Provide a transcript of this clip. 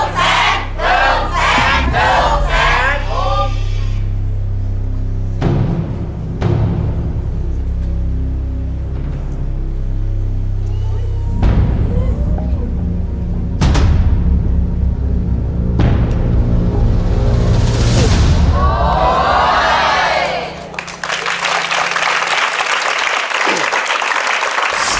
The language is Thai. ลูกแสงลูกแสงลูกแสงลูกแสง